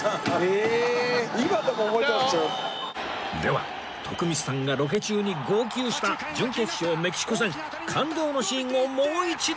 では徳光さんがロケ中に号泣した準決勝メキシコ戦感動のシーンをもう一度！